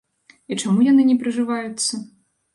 І чаму яны не прыжываюцца?